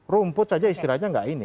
rumput saja istirahatnya gak ini